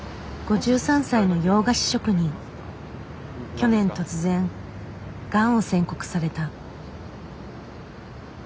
去年突然がんを宣告された。